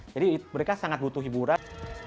jadi mereka sangat butuh hiburan